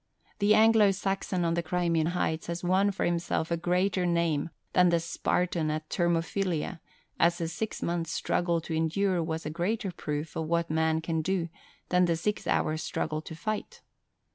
The Anglo Saxon on the Crimean heights has won for himself a greater name than the Spartan at Thermopylae, as the six months' struggle to endure was a greater proof of what man can do than the six hours' struggle to fight.